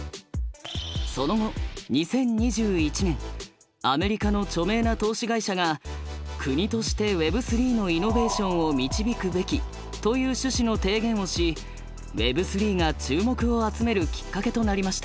その後２０２１年アメリカの著名な投資会社が「国としてＷｅｂ３のイノベーションを導くべき」という趣旨の提言をしＷｅｂ３が注目を集めるきっかけとなりました。